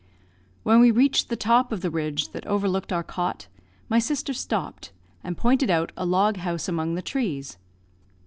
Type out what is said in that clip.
When we reached the top of the ridge that overlooked our cot, my sister stopped, and pointed out a log house among the trees.